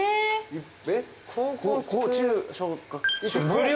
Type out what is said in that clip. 無料？